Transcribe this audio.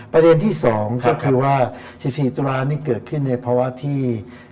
ประเด็นที่๒ก็คือว่า๑๔ตุลานี่เกิดขึ้นในภาวะที่